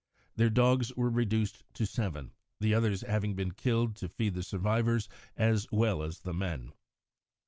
Their dogs were reduced to seven, the others having been killed to feed the survivors as well as the men.